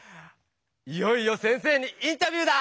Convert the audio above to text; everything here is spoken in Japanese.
いよいよ先生にインタビューだ！